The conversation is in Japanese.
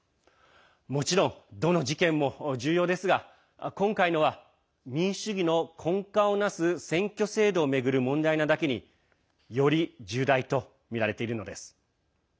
もちろん、どの事件も重要ですが今回のは民主主義の根幹を成す選挙制度を巡る問題なだけにより重大とみられているのです。